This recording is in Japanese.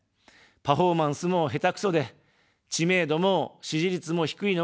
パフォーマンスも下手くそで、知名度も支持率も低いのが現状です。